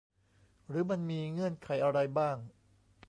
หรือมันมีเงื่อนไขอะไรบ้าง